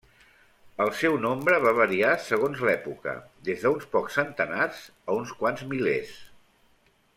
El seu nombre va variar segons l'època, des d'uns pocs centenars a uns quants milers.